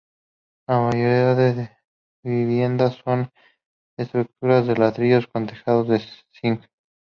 La mayoría de viviendas son estructuras de ladrillo con tejado de zinc.